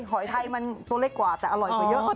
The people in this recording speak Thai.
หอยไทยมันตัวเล็กกว่าแต่อร่อยกว่าเยอะ